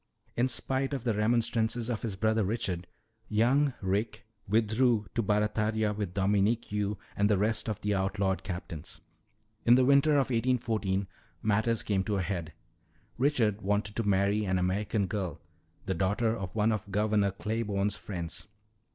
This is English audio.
In spite of the remonstrances of his brother Richard, young Rick withdrew to Barataria with Dominque You and the rest of the outlawed captains. "In the winter of 1814 matters came to a head. Richard wanted to marry an American girl, the daughter of one of Governor Claiborne's friends.